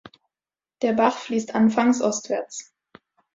Der Bach fließt anfangs ostwärts.